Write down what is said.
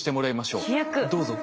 どうぞ。